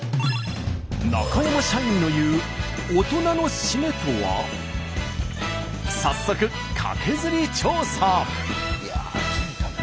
中山社員の言う早速カケズリ調査！